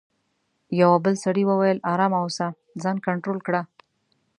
یوه بل سړي وویل: آرام اوسه، ځان کنټرول کړه.